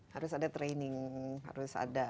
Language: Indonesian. harus ada training harus ada